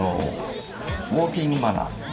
ウォーキング・マナー。